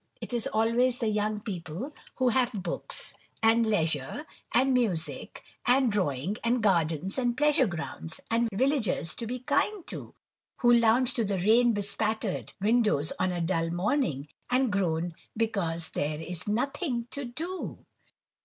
It is always the young people who have books, and leisure, and music, and drawing, and gardens, and pleasure grounds, and villagers to be kind to, who lounge to the rain bespattered windows on a dull morning, and groan because there is nothing to do.